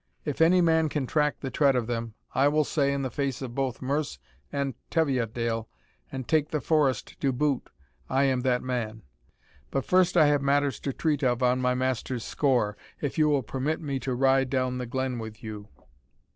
If any man can track the tread of them, I will say in the face of both Merse and Teviotdale, and take the Forest to boot, I am that man. But first I have matters to treat of on my master's score, if you will permit me to ride down the glen with you."